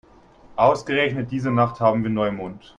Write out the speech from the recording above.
Ausgerechnet diese Nacht haben wir Neumond.